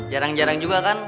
jarang jarang juga kan